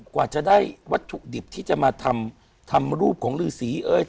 กว่าจะได้วัตถุดิบที่จะมาทำรูปของฤษีเอ้ย